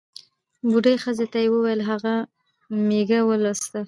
بوډۍ ښځې ته یې ووېل هغه مېږه ولوسه.